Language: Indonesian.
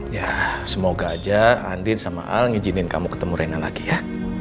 ya semoga aja andin sama al mengizinin kamu ketemu rena lagi ya